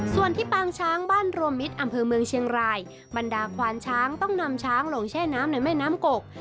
ส่วนที่ปางช้างบ้านรวมมิตรอำเภอเมืองเชียงรายบรรดาควานช้างต้องนำช้างลงแช่น้ำในแม่น้ำกก